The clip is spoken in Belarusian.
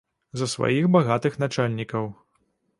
За сваіх багатых начальнікаў.